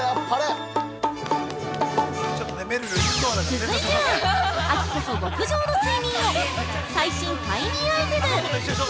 ◆続いては、秋こそ極上の睡眠を最新快眠アイテム。